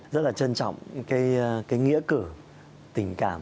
rất là trân trọng cái nghĩa cử tình cảm